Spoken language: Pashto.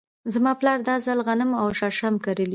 زما پلار دا ځل غنم او شړشم کري.